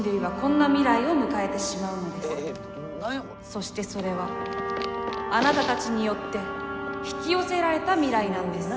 そしてそれはあなたたちによって引き寄せられた未来なんです。